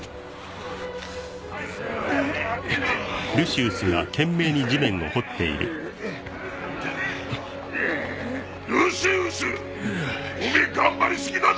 おめえ頑張りすぎだぞ